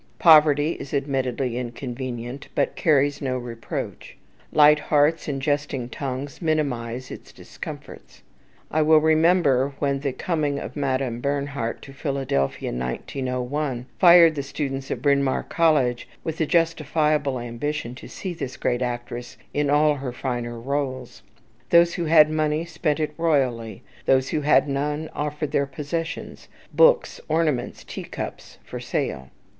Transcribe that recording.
Poverty is admittedly inconvenient, but carries no reproach. Light hearts and jesting tongues minimize its discomforts. I well remember when the coming of Madame Bernhardt to Philadelphia in 1901 fired the students of Bryn Mawr College with the justifiable ambition to see this great actress in all her finer roles. Those who had money spent it royally. Those who had none offered their possessions, books, ornaments, tea cups, for sale.